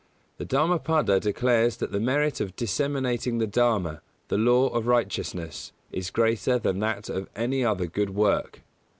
The Dhammapada declares that the merit of disseminating the Dharma, the Law of Righteousness, is greater than that of any other good work.